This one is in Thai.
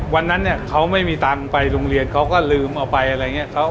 วันนั้นเนี่ยเขาไม่มีตังค์ไปโรงเรียนเขาก็ลืมเอาไปอะไรอย่างนี้